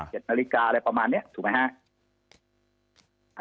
เก็บนาฬิกาอะไรประมาณเนี่ยถูกมั้ยครับ